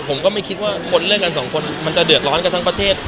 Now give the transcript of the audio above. ผมก็ไม่คิดว่าคนเลิกกันสองคนมันจะเดือดร้อนกันทั้งประเทศ